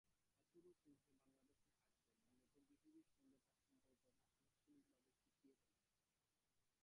হাথুরুসিংহে বাংলাদেশে আসবেন মূলত বিসিবির সঙ্গে তাঁর সম্পর্কটা আনুষ্ঠানিকভাবে চুকিয়ে ফেলতে।